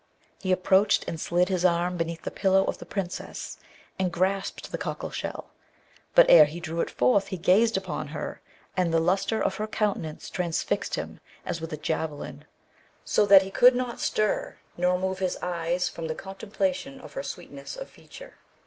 He approached and slid his arm beneath the pillow of the Princess, and grasped the cockle shell; but ere he drew it forth he gazed upon her, and the lustre of her countenance transfixed him as with a javelin, so that he could not stir, nor move his eyes from the contemplation of her sweetness of feature.